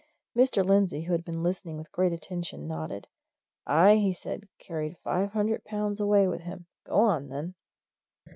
Mr. Lindsey, who had been listening with great attention, nodded. "Aye!" he said. "Carried five hundred pounds away with him. Go on, then."